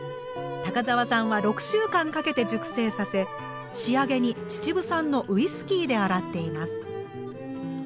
高沢さんは６週間かけて熟成させ仕上げに秩父産のウイスキーで洗っています。